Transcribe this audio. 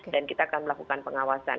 dan kita akan melakukan pengawasan